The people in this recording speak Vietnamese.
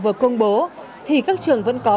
vừa công bố thì các trường vẫn có